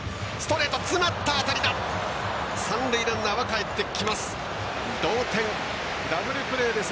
三塁ランナーはかえってきます。